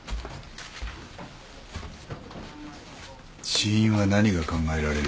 死因は何が考えられる？